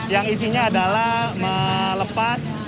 yang isinya adalah melepas